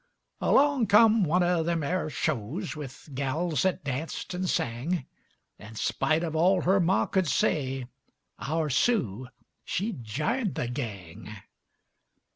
Along kum one o' them air shows With gals that danced and sang; And, spite of all her ma could say, Our Sue, she j'ined the gang.